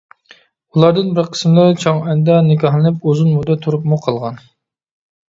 ئۇلاردىن بىر قىسىملىرى چاڭئەندە نىكاھلىنىپ، ئۇزۇن مۇددەت تۇرۇپمۇ قالغان.